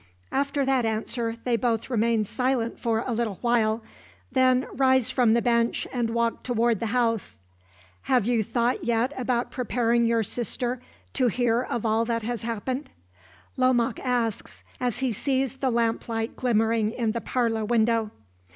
After that answer they both remain silent for a little while, then rise from the bench and walk toward the house. "Have you thought yet about preparing your sister to hear of all that has happened?" Lomaque asks, as he sees the lamp light glimmering in the parlor window.